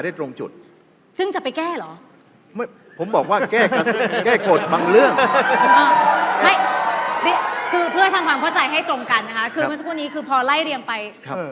คุณจองควันนี่คือพอไล่เรียมไป